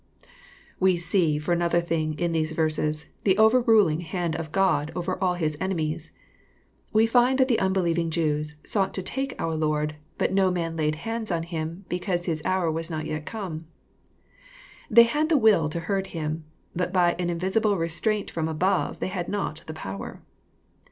We see, for another thing, in these verses, the over ruling ru 3 »> hand of Oodoyer all Hia enemies. We find that the un believing Jews " Sought to take our Lord : but no man laid hands on Him, because his hour was not yet come." They had the will to hurt him, but by an invisible restraint from aboye, they had not the power.